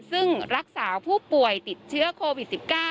ซึ่งรักษาผู้ป่วยติดเชื้อโควิด๑๙